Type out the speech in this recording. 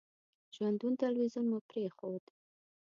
ژوندون تلویزیون مو پرېښود.